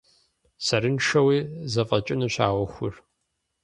Сэрыншэуи зэфӏэкӏынущ а ӏуэхур.